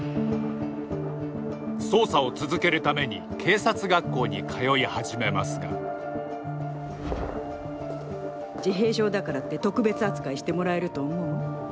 捜査を続けるために警察学校に通い始めますが自閉症だからって特別扱いしてもらえると思う？